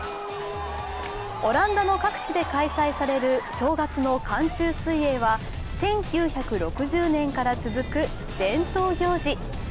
オランダの各地で開催される正月の寒中水泳は１９６０年から続く伝統行事。